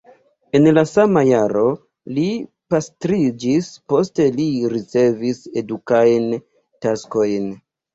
En la sama jaro li pastriĝis, poste li ricevis edukajn taskojn.